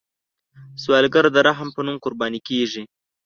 سوالګر د رحم په نوم قرباني کیږي